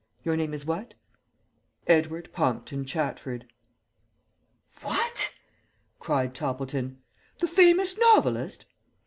Your name is what?" "Edward Pompton Chatford." "What!" cried Toppleton, "the famous novelist?"